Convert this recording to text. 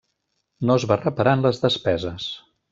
No es va reparar en les despeses.